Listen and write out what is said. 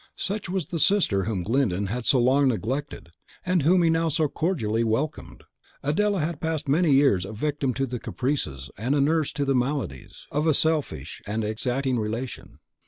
Such was the sister whom Glyndon had so long neglected, and whom he now so cordially welcomed. Adela had passed many years a victim to the caprices, and a nurse to the maladies, of a selfish and exacting relation.